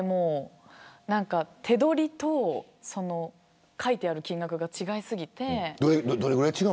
手取りと書いてある金額が違いすぎて。